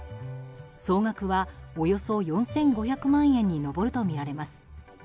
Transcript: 総額は、およそ４５００万円に上るとみられます。